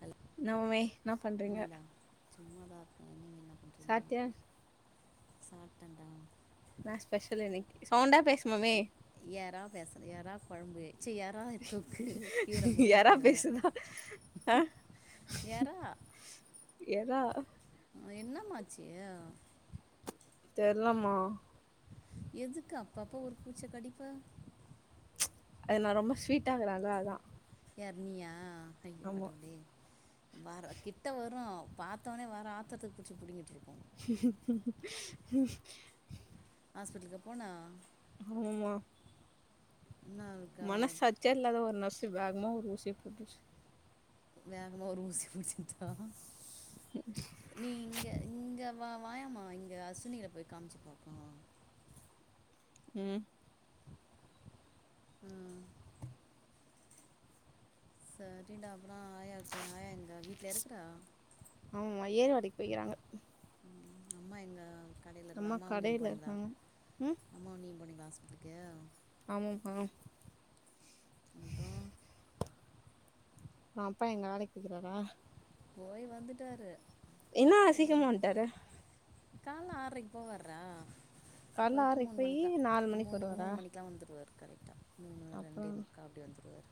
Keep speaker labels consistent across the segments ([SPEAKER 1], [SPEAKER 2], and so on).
[SPEAKER 1] Hello
[SPEAKER 2] ன்னா மம்மே இன்னா பண்றீங்க
[SPEAKER 1] என்னடா சும்மா தான்
[SPEAKER 2] சாப்டியா
[SPEAKER 1] சாப்டண்டா
[SPEAKER 2] ன்னா ஸ்பெஷல் இன்னைக் சவுண்டா பேசு
[SPEAKER 1] எறா பேசண எறா கொழம்பு சீ எறா தொக்கு கீர
[SPEAKER 2] எறா
[SPEAKER 1] முருங்க்கீர
[SPEAKER 2] பேசுதா ஆ
[SPEAKER 1] எறா
[SPEAKER 2] எறா
[SPEAKER 1] அ என்னம்மா ஆச்சு
[SPEAKER 2] தெர்லெமா
[SPEAKER 1] எதுக்கு அப்பப்ப ஒரு பூச்ச கடிப்ப
[SPEAKER 2] அது நா ரொம்ப ஸ்வீட்டாகுறல அதா
[SPEAKER 1] யார் நீயா ஐயோ
[SPEAKER 2] ஆமா
[SPEAKER 1] கடவுளே வார கிட்ட வரு பாத்தோன்ன வர ஆத்ரத்துக்கு புச்சு பிடிங்கிட்டுருக்கு
[SPEAKER 2] [unintelligible]
[SPEAKER 1] ஹாஸ்பிட்லுக்கு போண
[SPEAKER 2] ஆம்மா
[SPEAKER 1] என்ன இருக்கா
[SPEAKER 2] மனசாட்சியே இல்லாத ஒரு நர்ஸ் வேகமா ஒரு உசிய போட்டுச்
[SPEAKER 1] வேகமா ஒரு ஊசி போட்டுட்டுச்த்தா நீங்க இங்க வா வாயாமா இங்க அஸ்வினிகட்ட போய் காமிச்சு பாப்போம்
[SPEAKER 2] ம்
[SPEAKER 1] ம் சரிடா அப்புறம் ஆயாக்கு ஆயா எங்க வீட்டுலய இருக்கற
[SPEAKER 2] ஆவூறுவாடிக்கு போய்கிறாங்க நல்ல
[SPEAKER 1] அம்மா எங்க கடையில இருந்து அம்மாவு நீயும்
[SPEAKER 2] கடைல
[SPEAKER 1] போனீங்களா
[SPEAKER 2] இருக்காங்க
[SPEAKER 1] அம்மாவு நீயு போனீங் ஹாஸ்பிட்டலுக்கே
[SPEAKER 2] ஆமாப்பா
[SPEAKER 1] மட்டும்
[SPEAKER 2] அ அப்பா எங்க வேலை போயாக்கிறாரா
[SPEAKER 1] போய் வந்துட்டாரு
[SPEAKER 2] இன்னும் அசிக்க மாட்டாரு.
[SPEAKER 1] கால்ல ஆறரைக்கு போவாரு டா
[SPEAKER 2] கால்ல
[SPEAKER 1] போயிட்டு
[SPEAKER 2] ஆறரைக்கு
[SPEAKER 1] மூணு
[SPEAKER 2] போயி
[SPEAKER 1] மணிக்குதா
[SPEAKER 2] நாலு மணிக்கு
[SPEAKER 1] மூணு
[SPEAKER 2] வருவாரா
[SPEAKER 1] மூணு மணிக்கலாம் வந்துருவாரு ம்
[SPEAKER 2] அப்றோ
[SPEAKER 1] ரெண்டே முக்கா அப்டி வந்துருவாரு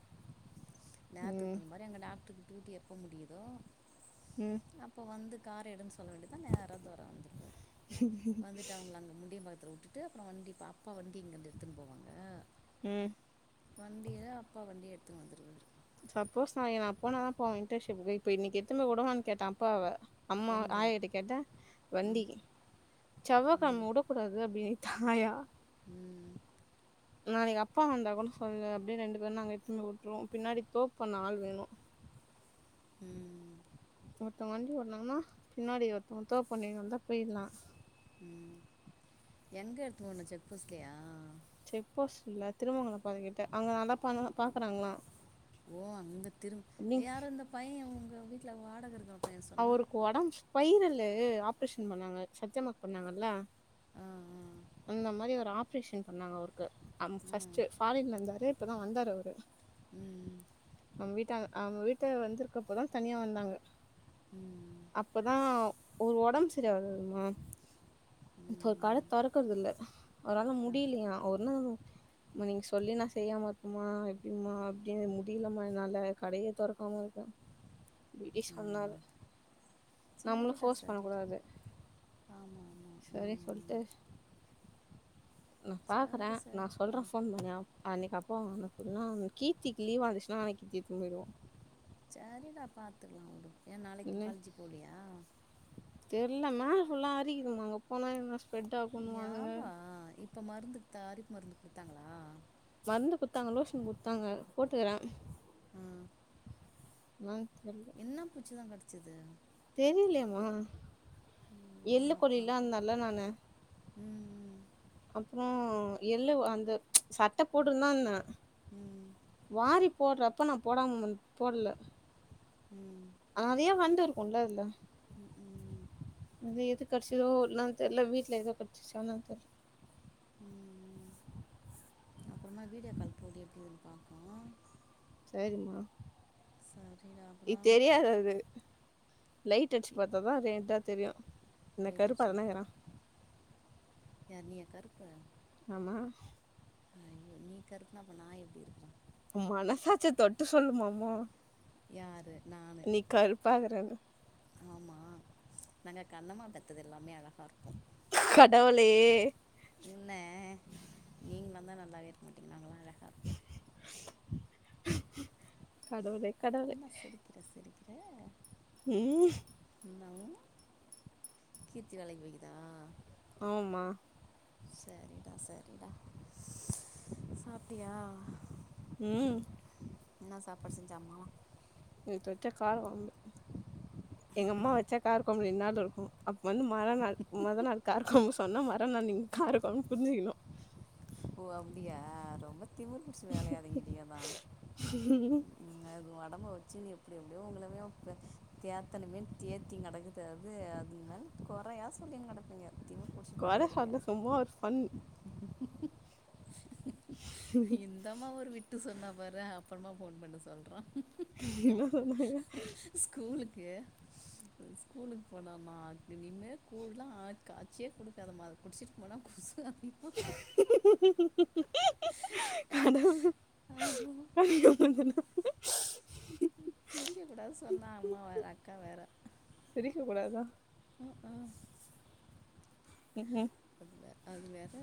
[SPEAKER 1] [unintelligible]
[SPEAKER 2] ம்
[SPEAKER 1] டாக்டரு டியூட்டி எப்ப முடியுதோ
[SPEAKER 2] ம்
[SPEAKER 1] அப்ப வந்து கார எடம் சொல்ல வேண்டிதான் நேரா தொற வந்துருவாரு வந்துட்டு அவங்க அங்க முடிய அத வுட்டுட்டு அப்ற வண்டி பாப் அப்பா வண்டி இங்கந்து எடுத்துன்னு போவாங்க
[SPEAKER 2] ம்
[SPEAKER 1] வண்டிய அப்பா வண்டி எடு த்து வந்துருவாரு
[SPEAKER 2] சப்போஸ் நா நாளைக்கு போனாதா போவன் இன்டர்ன்ஷிப்புக்கு இப்ப இன்னைக்கு எத்துன்னு போய் விடவான்னு கேட்டா அப்பாவ அம்மா
[SPEAKER 1] எங்கே
[SPEAKER 2] ஆயகிட்ட கேட்ட
[SPEAKER 1] ம்
[SPEAKER 2] வண்டி செவ்வா கிழம
[SPEAKER 1] ம்
[SPEAKER 2] வுடக்கூடாது அப்டின்னு ஆயா
[SPEAKER 1] ம்
[SPEAKER 2] நாளைக்கு அப்பா வந்தா கூன்னு சொல்லு அப்படின்னு ரெண்டு பேரும் நாங்க இத்துனு போய் விட்டருவோம் பின்னாடி தோப்பண்ண ஆள் வேணும்
[SPEAKER 1] ம்
[SPEAKER 2] ஒருத்தவங்க வண்டி ஒட்னாங்கன்னா பின்னாடி ஒருத்தங்க தோப் பண்ணினு வந்தா போயிடலாம்
[SPEAKER 1] ம் எங்க எடுத்து போணும் செக் போஸ்ட்லையா
[SPEAKER 2] செக் போஸ்ட் இல்ல திருமங்கல பாத கிட்ட அங்க நல்லா பண்ண பாக்குறாங்களா
[SPEAKER 1] ஓ அங்க திரும்
[SPEAKER 2] அப்டி
[SPEAKER 1] யார அந்த பைய உங்க வீட்ல வாடக
[SPEAKER 2] அவருக்கு ஒடம்பு ஸ்பைரல் இது ஆப்ரேஷன் பண்ணாங்க சத்யமாக் பண்ணாங்கல்ல
[SPEAKER 1] ஆ ஆ
[SPEAKER 2] அந்த மாரி ஒரு ஆப்ரேஷன் பண்ணாங்க அவருக்கு அங்
[SPEAKER 1] ஆ ம்
[SPEAKER 2] ஃபர்ஸ்ட் ஃபாரின்ல இருந்தாரு இப்பதா வந்தாரு அவரு
[SPEAKER 1] ம்
[SPEAKER 2] அவ வீட்டா அவ வீட் த வந்திருக்கப்பதா தனியா வந்தாங்க
[SPEAKER 1] ம்
[SPEAKER 2] அப்பதா அவரு ஒடம்பு சரியாதவருமா இப்ப ஒரு கட தொர க்குரதுல்ல அவரால
[SPEAKER 1] அப்படி
[SPEAKER 2] முடியிலையா ஒன்னு மா நீங்க சொல்லி நா செய்யாம இருப்பமா எப்டிமா அப்டின்னு முடியிலமா என்னால கடையே தொறக்காம இருக்க இப்டி சொன்னாரு நம்மளு
[SPEAKER 1] சேரிடா
[SPEAKER 2] ஃபோர்ஸ் பண்ண
[SPEAKER 1] சரி
[SPEAKER 2] கூடாது
[SPEAKER 1] ஆமாமா
[SPEAKER 2] சரின்னு சொல்ட்டு நா பாக்குற
[SPEAKER 1] சரி
[SPEAKER 2] நா
[SPEAKER 1] சரிப்பா
[SPEAKER 2] சொல்றே ஃபோன் பண்ணியா அன்னைக்கு அப்போ அவங்க எல்லா கீர்த்திக்கு லீவா இருந்துச்னா நாளைக் கீர்த்தி இத்துன்போய்ருவோ
[SPEAKER 1] சரிடா பாத்துக்கலா உடு ஏ நாளைக்கு நீ
[SPEAKER 2] இல்ல
[SPEAKER 1] காலஜு போலியா
[SPEAKER 2] தெர்ல மேல ஃபுல்லா அரிக்குதுன்னாங்க அங்க போனா என்ன ச் ஃபெட் ஆகுனுவானுங்க
[SPEAKER 1] போ மருந்துக் தா ஆரிப்பு மருந்து குட்த்தாங்களா
[SPEAKER 2] மருந்து குட்த்தாங்க லோஷன் குட்த்தாங்க போட்டுக்குற
[SPEAKER 1] ம்
[SPEAKER 2] ம
[SPEAKER 1] என்ன பூச்சி தாங் கடி ச்சுது
[SPEAKER 2] தெரிலயேமா எள்ளு
[SPEAKER 1] அப்பா
[SPEAKER 2] கோழிலா
[SPEAKER 1] அப்பா
[SPEAKER 2] இருந்தேல நானு
[SPEAKER 1] ம்
[SPEAKER 2] அப்றோ எள்ளு வ அந்த சட்ட போட்டுன்தா இந்த
[SPEAKER 1] ம்
[SPEAKER 2] வாரி போட்றப்ப நா போடாமன் போட்ல
[SPEAKER 1] ம்
[SPEAKER 2] அதையு வண்டு கொண்டால
[SPEAKER 1] ம் ம்
[SPEAKER 2] அது எது கட்ச்சுதோ இல்லன் தெர்ல வீட்ல எதோ கட்ச்சுர்ச்சானு தெர்ல
[SPEAKER 1] அப்றமா வீடியோ கால் போடு எப்டின்னு பாக்களா
[SPEAKER 2] சேரிமா
[SPEAKER 1] சரிடா
[SPEAKER 2] இத்
[SPEAKER 1] அப்புறம்
[SPEAKER 2] தெரியாதது லைட் அட்ச்சு பாத்தாதா ரேடா தெரியு இந்த கருப்பாதானே இக்குறா
[SPEAKER 1] [inaudible] யார் நீயா கருப்
[SPEAKER 2] ஆமா
[SPEAKER 1] ஐயோ நீ கருப்புனா அப்ப நா எப்டி இருக்கு
[SPEAKER 2] மனசாச்சி தொட்டு சொல்லுமா அம்மா
[SPEAKER 1] யார்
[SPEAKER 2] நீ கருப்பாகுறன்னு
[SPEAKER 1] ஆமா நாங்க கண்ணம்மா பெத்தது எல்லாமே அழ தார்ப்போம்
[SPEAKER 2] கடவுளே
[SPEAKER 1] என்ன நீங்களுந்தா நல்லாவே இருக் மாதிக்கு நாங்களா இல்ல
[SPEAKER 2] கடவுளே கடவுளே
[SPEAKER 1] என்ன சிரிக்குற சிரி
[SPEAKER 2] ம்
[SPEAKER 1] என்ன உ கீர்த்தி வேலைக்கு போய்க்குதா
[SPEAKER 2] ஆமா
[SPEAKER 1] செரிடா செரிடா சாப்பிட்டியா
[SPEAKER 2] உம்
[SPEAKER 1] என்ன சாப்பாடு செஞ்சாம்மா
[SPEAKER 2] நேத்து வச்ச கார கொழம்பு எங்க அம்மா வச்சா கார குழம்பு ரெண்டுநாள் ருக்கும் அப்ப வந்து மராநாள் மொத நாள் காரகொழம்பு சொன்னா மராநாள் நீங்க காரக்கொழம்பு புரிஞ்சுக்கணும்
[SPEAKER 1] ஓ அப்டியா ரொம்ப திமுர் புடிச்சி அலையாதீங்கடி அதாம் அது ஒடம்பு வச் வச்சினு எப்டி எப்டியோ உங்களயு தேத்தனுமே தேத்தினு கெடக்குது அது அதுமேல குறையா சொல்லினு கெடப்பீங்க
[SPEAKER 2] கொற சொல்ல சும்மா ஒரு சொன்
[SPEAKER 1] இந்தம்மா ஒரு விட் விட்டு சொன்ன பாரு அப்புறமா ஃபோன் பண்ணு சொல்றேன்
[SPEAKER 2] என்ன சொன்னாங்க
[SPEAKER 1] க்கு ஸ்கூலுக்கு போனானாம் திடீனு கூழ்லா ஆத் காச்சியே குடுக்காத மா அத குடிச்சிட்டு போனா குசு ஆவுது
[SPEAKER 2] கனவு [unintelligible]
[SPEAKER 1] சிரிக்க கூடாது சொன்னா அம்மா வேற அக்கா வேற
[SPEAKER 2] சிரிக்க கூடாதா
[SPEAKER 1] அஹ் அஹ்.
[SPEAKER 2] உம்
[SPEAKER 1] அது வேற அது வேற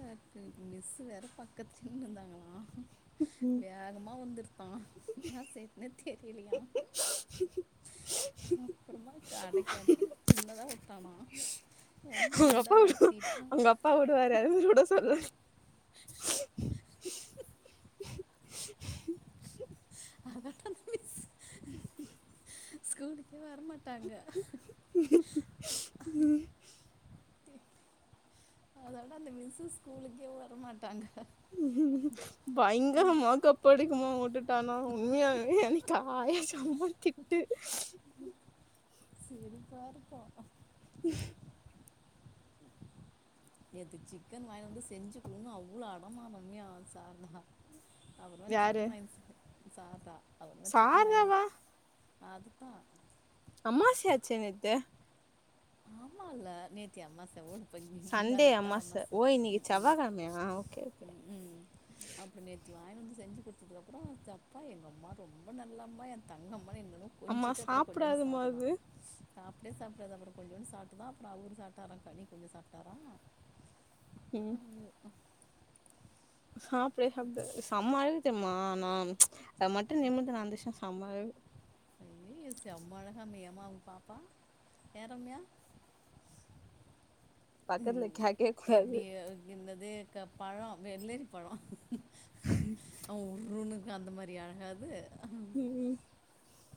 [SPEAKER 1] மிஸ்சு வேற பக்கத்துல இருந்தாங்களாம்
[SPEAKER 2] ம்
[SPEAKER 1] வேகமா வந்துருதாம் என்னா செய்றதுனே தெரியலயாம் அப்புறமா அடக்கி அடக்கினு சின்னதா உட் டானாம்
[SPEAKER 2] அவுங்க அப்பா விடு அவங்க அப்பா விடுவாரு அதே மாரி விட சொல்லு
[SPEAKER 1] அதான் டா அந்த மிஸ் ஸ்கூலுக் வரமாட்டாங்க அதோட அந்த மிஸ்ஸு ஸ்கூலுக்கே வரமாட்டாங்க
[SPEAKER 2] ஆனா உண்மையாலுமே அன்னைக்கு ஆயா செமத்திட்டு
[SPEAKER 1] சிரிப்பா இருக்கோம் நேத்து சிக்கன் வாங்கினு வந்து செஞ்சுக்குடுன்னு அவ்ளோ அடமாம் ரம்யா சார்தா அப்றமா சிக்கன் வாங் சார்தா அப்புறமா சிக்கன் வாங்கி
[SPEAKER 2] சார்தாவா
[SPEAKER 1] அதுதான்
[SPEAKER 2] அம்மாசையாச்சே நேத்து
[SPEAKER 1] ஆமா அல்ல நேத்தி அம்மாசை ஓடு
[SPEAKER 2] சண்டே
[SPEAKER 1] முந்தாநேத்துதானே
[SPEAKER 2] அம்மாச
[SPEAKER 1] அமாச
[SPEAKER 2] ஓ இன்னைக்கு
[SPEAKER 1] உம் உம்
[SPEAKER 2] செவ்வாகெழமையா ஓகே ஓகே
[SPEAKER 1] உம் உம் அப்ப நேத்து வாங்ட்டு வந்து செஞ்சு குடுத்ததுக்க அப்புறம் சப்பா எங்க அம்மா ரொம்ப நல்ல அம்மா என் தங்கம் ம் எங்க அம்மா கொஞ்சிட்டு அப்புறம் கொஞ்சோண்டு
[SPEAKER 2] சாப்டாதமா அது
[SPEAKER 1] சாத்துதான் சாப்டவே சாப்டாது அப்புறம் கொஞ்சோன்னு சாப்ட்டுதான் அப்புறம் அவர் சாப்ட்டாராம் கனி கொஞ்ச சாப்ட்டாரா
[SPEAKER 2] ம்
[SPEAKER 1] உஹ அப்
[SPEAKER 2] சாப்டவே சாப்டாதே செம அழுதுட்டேன்ம்மா நான் [unintelligible] ஆனா
[SPEAKER 1] ய்ய் செம்ம அழகாயிருந்தியாமே உன் பாப்பா ஏன் ரம்யா
[SPEAKER 2] பக்கத்துல கேட்கவே கூடாது
[SPEAKER 1] இருக்குற பழம் வெள்ளரி பழம் அவன் உர்ருன்னு அந்த மாதிரி அழகாது
[SPEAKER 2] உம்ஹ்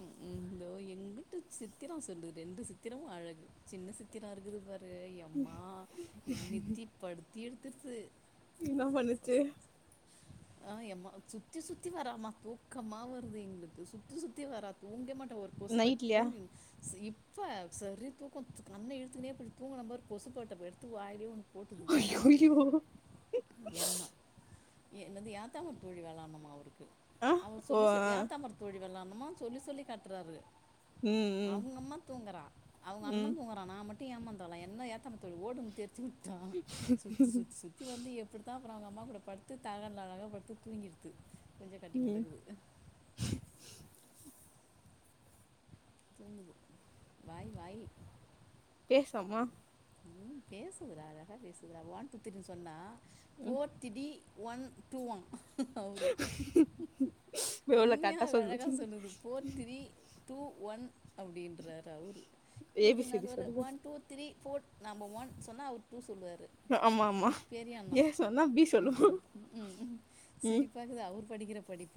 [SPEAKER 1] உம் இதோ எங்கிட்டு சித்திரம் சொல்லுது ரெண்டு சித்திரமும் அழகு சின்ன சித்திரம் இருக்குது பாரு ஏ எம்மா நித்தி படுது தீர்த்துர்து
[SPEAKER 2] என்ன பண்ணுச்சி
[SPEAKER 1] ஆஹ் எம்மா சுத்தி சுத்தி வராமா தூக்கமா வருது எங்களுக்கு சுத்தி சுத்தி சுத்தி வரா தூங்க மட் ஒரு கொசுபட்
[SPEAKER 2] நைட்லயா
[SPEAKER 1] தூங்குது ச்சீ சரி தூக்கம் கண்ண இழுத்துனே தூங்குனேன் பாரு கொசு பேட்டை எடுத்து வாயிலே ஒன்னு போட்டுதுக்கு
[SPEAKER 2] ஐயையோ
[SPEAKER 1] எண்ணம் ஏ என்னது யாத்தாமர் தோழி வெளான்னம்மா அவருக் கு
[SPEAKER 2] ஆ
[SPEAKER 1] அவுங்க
[SPEAKER 2] ஓ
[SPEAKER 1] சொல்லி சொ
[SPEAKER 2] ஆ
[SPEAKER 1] யாத்தாமர் தொழி வெல்லாம சொல்லி சொல்லி காட்றாரு
[SPEAKER 2] ம் ம்
[SPEAKER 1] அவுங்கம்மா தூங்குறா அவுங்கண்ண
[SPEAKER 2] ம்
[SPEAKER 1] தூங்கறா நா மட் டு ஏமாந்தவ்ளா என்ன ஏத்தோ தோழி ஓடும் தீர் த்விட்டா சுத்தி சுத்தி சுத்தி வந்து எப்டித்தா அப்றோ அவுங்கம்மா கூட படுத்து தலகாண்ல அழகா படுத்து தூங்கிடுது கொஞ்சம் கட்டி
[SPEAKER 2] ம்
[SPEAKER 1] கிடக்குது தூங்குது வாய் வாய்
[SPEAKER 2] பேசோமா
[SPEAKER 1] ம் பேசுதுறா அழகா பேசுதுறா ஓன் டூ த்ரீ சொன்னா
[SPEAKER 2] ம்
[SPEAKER 1] போர் திடி ஒன் டூ வா அவரு
[SPEAKER 2] எவ்ளோ
[SPEAKER 1] உண்மையா
[SPEAKER 2] கரெக்டா சொல்லு
[SPEAKER 1] அழகா சொல்லுது போர் திரி டூ ஒன் அப்டின்றாரு அவுரு
[SPEAKER 2] ஏ பி
[SPEAKER 1] இவுரு
[SPEAKER 2] சி டி
[SPEAKER 1] நடுவர
[SPEAKER 2] சொல்லு
[SPEAKER 1] ஒன் டூ த்ரீ ஃபோர் நம்ப ஒன் சொன்னா அவர் டூ சொல்லுவார் ரு
[SPEAKER 2] ஆமா ஆமா
[SPEAKER 1] பெரியண்ணா
[SPEAKER 2] ஏ சொன்னா பி சொல்லுமா
[SPEAKER 1] ம் சிரிப்பாகிது அவுரு படிக்கிற படிப்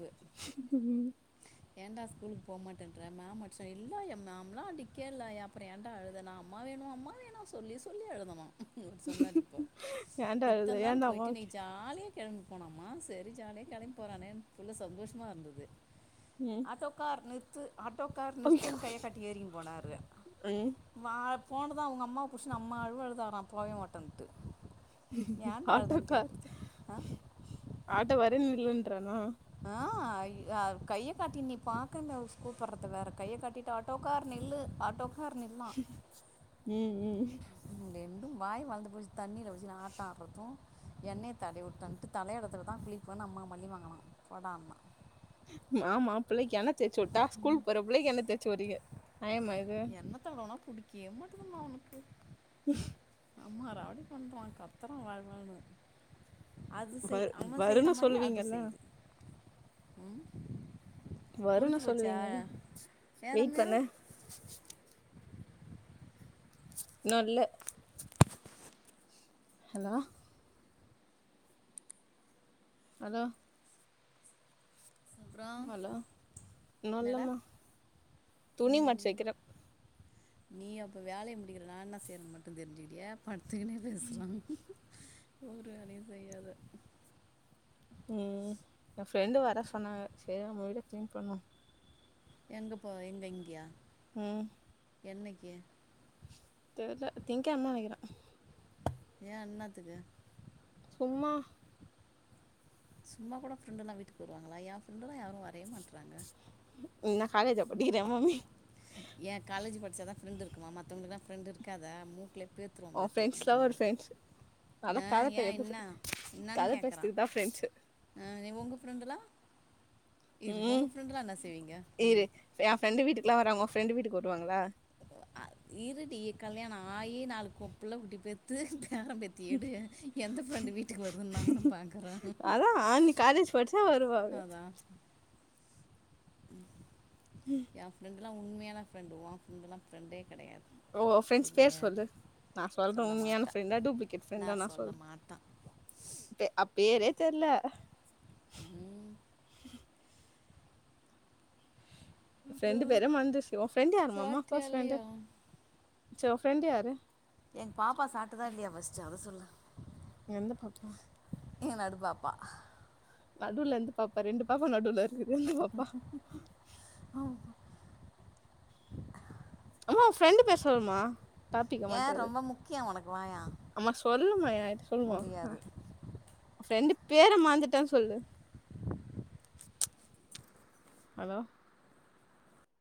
[SPEAKER 2] உம்
[SPEAKER 1] ஏன்டா ஸ்கூலு போமாட்டேன்ற மேம் அடிச்சா இல்ல ஏ மேம்லா அடிக்கேல அப்றோ ஏன்டா அழுத நா அம்மா வேணு அம்மா வேணு ஸ் சொல்லி சொல்லி அழுதானா சொன்னாரு இப்போ
[SPEAKER 2] ஏன்டா அழுத
[SPEAKER 1] இத்தன்நாள்
[SPEAKER 2] ஏன்டா
[SPEAKER 1] போயிட்டு நீ
[SPEAKER 2] அம்மாவுக்கு
[SPEAKER 1] ஜாலியா கெளம்பி போனாமா செரி ஜாலியா கெளம்பி போறானே புள்ள சந்தோஷமாருந்தது
[SPEAKER 2] ம்
[SPEAKER 1] ஆட்டோகார் நிற் ஆட்டோக்கார் நிறுத்துன் கைய காட்டி ஏறி போனாரு
[SPEAKER 2] ம்
[SPEAKER 1] வாப் ஃபோனு தா அவுங்கம்மா புஸ்சுனு அம்ம அழுவ அழுதாறா போவே மாட்டேன்ட்டு ஏன்டா
[SPEAKER 2] ஆட்டோ
[SPEAKER 1] அழுதுன்னு
[SPEAKER 2] கார்
[SPEAKER 1] கேட்குறது ஆ
[SPEAKER 2] ஆட்டோ வர இல்லன் றனா
[SPEAKER 1] ஆ ய கைய காட்டி நிப்பா [unintelligible] கூப்பறது வேற கைய காட்டிட்டு ஆட்டோ கார் நில்லு ஆட்டோ க்கார் நின்னா
[SPEAKER 2] ம் ம்
[SPEAKER 1] [unintelligible] வாய் வளந்து போயிச்சி தண்ணில வச்சி ஆட்டோ ஆடுறதூ எண்ணெய தடவி வுட்டோன்ட்டு தலைய எடத்துல தா குளிப்போ அம்மா மல்லி வாங்கலா போடாம
[SPEAKER 2] மாமா பிள்ளக்கி ஆனா தேச்சுட்டா ஸ்கூல் போற புள்ளைக்கு எண்ணெ தேய்ச்சி விட்ரீங்க நாயமா இது
[SPEAKER 1] எண்ணெய் தடவைனா பிடிக்கவே மாட்டுதுமா அவனுக்கு அம்மா ராவடி பண்றா கத்றா வால்வால்னு அது
[SPEAKER 2] வ
[SPEAKER 1] செய் அம்மா செய்யற
[SPEAKER 2] வருன்னு
[SPEAKER 1] மாரி அது
[SPEAKER 2] சொல்லுவீங்கல்ல
[SPEAKER 1] செய்யுது உம்
[SPEAKER 2] வருனு சொல்லுவீங்கல
[SPEAKER 1] ஏன்
[SPEAKER 2] வெயிட்
[SPEAKER 1] ரம்யா
[SPEAKER 2] பண்ண நல்ல ஹலோ ஹாலோ
[SPEAKER 1] அப்புறம்
[SPEAKER 2] ஹலோ இன்னோ
[SPEAKER 1] என்னடா
[SPEAKER 2] இல்லமா துணிமடிச்சி வெக்கிற
[SPEAKER 1] நீ அப்ப வேலய முடிக்கிற நா என்னா சேய்றது மட்டு தெரிஞ்சிக்கிட்டி படுத்துகின்னே பேசுறா ஒரு வேலையு செய்யாத
[SPEAKER 2] உம் என் ஃப்ரெண்டு வர சொன்னாங்க சரி நம்ம வீட கிளீன் பண்ணோ
[SPEAKER 1] எங்க போ எங்க இங்கியா
[SPEAKER 2] உம்
[SPEAKER 1] என்னைக்
[SPEAKER 2] தெரில திங்கழமைனு நினைக்கிறே
[SPEAKER 1] ஏ ஏண்ணத்துக்கு
[SPEAKER 2] சும்மா
[SPEAKER 1] சும்மா கூட ஃப்ரெண்ட்ல்லா வீட்டுக்கு வருவாங்களா எஃப்ரெண்ட்ல்லா யாரும் வரவே மாட்ட றாங்க
[SPEAKER 2] நீ என்ன காலேஜ படிக்கிறே மாம்மி
[SPEAKER 1] ஏ காலேஜ் படிச்சாதா ஃப்ரெண்ட இருக்குமா மத்தவங்களுக்கு தான் ஃப்ரெண்ட் இருக்காத மூக்லே பேத்துவம்
[SPEAKER 2] உன்
[SPEAKER 1] பேத்து
[SPEAKER 2] ஃப்ரெண்ட்ஸ்லா ஒரு ஃப்ரெண்ட்ஸ் அதா
[SPEAKER 1] ஏ
[SPEAKER 2] கத
[SPEAKER 1] ஏன்
[SPEAKER 2] பேச
[SPEAKER 1] என்ன என்னன்னு
[SPEAKER 2] கத
[SPEAKER 1] கேக்றா
[SPEAKER 2] பேசறதுக்கு தா ஃப்ரெண்ட்ஸு
[SPEAKER 1] ஆ நீ உங்க ஃப்ரெண்டுலா
[SPEAKER 2] உம்
[SPEAKER 1] ம்
[SPEAKER 2] இரு எ ஃப்ரெண்டு வீட்டுக்கு எல்லா வராங்க உ ஃப்ரெண்ட் வீட்டுக்கு வருவாங்களா
[SPEAKER 1] இருடி கல்யாணம் ஆய் நாலு புள்ள குட்டி பெத்து பேரம்பேத்தி எடு எந்த ஃப்ரெண்டு வீட்டுக்கு வருதுன்னு நானும் பாக்குறே
[SPEAKER 2] அதா நீ காலேஜ் படிச்சா வருவாங்க
[SPEAKER 1] அதா எ ஃப்ரெண்ட் எல்லா உண்மையான ஃப்ரெண்டு் ஒ ஃப்ரெண்ட்லா ஃப்ரெண்ட்டே கிடையாது
[SPEAKER 2] ஓ ப்ரெண்ட்ஸ் பேர்
[SPEAKER 1] சரியா
[SPEAKER 2] சொல்லு நா சொல்றேன்
[SPEAKER 1] சொல்ல
[SPEAKER 2] உண்மையான
[SPEAKER 1] மாட்டேன்
[SPEAKER 2] ஃப்ரெண்டா டூப்ளிகேட் ஃப்ரெண்டா
[SPEAKER 1] நான்
[SPEAKER 2] நா
[SPEAKER 1] சொல்ல
[SPEAKER 2] சொல்றேன்
[SPEAKER 1] மாட்டேன்
[SPEAKER 2] அப் பேரே தெர்ல
[SPEAKER 1] ம்
[SPEAKER 2] ஃப்ரெண்டு
[SPEAKER 1] அப்புறம்
[SPEAKER 2] பேர மறந்துச்சு உ ஃப்ரெண்டு் யாரும்மா
[SPEAKER 1] சாட்டியா
[SPEAKER 2] க்ளோஸ் ஃப்ரெண்டு
[SPEAKER 1] இல்லையா
[SPEAKER 2] சோ உன் ஃப்ரெண்டு யாரு
[SPEAKER 1] எங்க பாப்பா சாப்பட்டுதா இல்லையா ஃபர்ஸ்ட் அத சொல்லு
[SPEAKER 2] எந்த பாப்பா
[SPEAKER 1] எ நடுப்பாப்பா
[SPEAKER 2] நடுல எந்த பாப்பா ரெண்டு பாப்பா நடுல
[SPEAKER 1] ஆ
[SPEAKER 2] ஆமா ஃப்ரெண்டு் பேசுறாங்கமா டாபிக்கை
[SPEAKER 1] ஏன்
[SPEAKER 2] மாத்தாத
[SPEAKER 1] ரொம்ப முக்கியம் உனக்கு வாயா
[SPEAKER 2] அம்மா சொல்லுமா சொல்லுமா
[SPEAKER 1] முடியாது
[SPEAKER 2] ஃப்ரெண்டு பேரை மாந்துட்டனு சொல்லு ஹலோ